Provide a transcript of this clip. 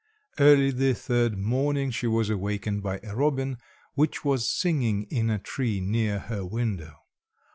Early the third morning she was awakened by a robin which was singing in a tree near her window.